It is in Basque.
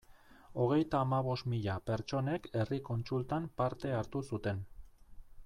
Hogeita hamabost mila pertsonek herri kontsultan parte hartu zuten.